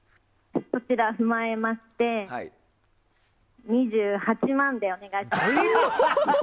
そちら踏まえまして２８万でお願いします！